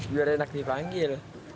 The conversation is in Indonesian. biar enak dipanggil